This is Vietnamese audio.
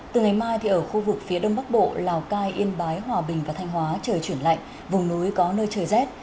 từ ngày mai ở khu vực phía đông bắc bộ lào cai yên bái hòa bình và thanh hóa trời chuyển lạnh vùng núi có nơi trời rét